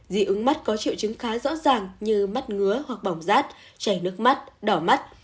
dị ứng mắt có triệu chứng khá rõ ràng như mắt ngứa hoặc bỏng rát chảy nước mắt đỏ mắt